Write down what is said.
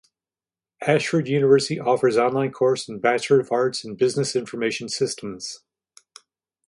Ashford University offers online course in Bachelor of Arts in Business Information Systems.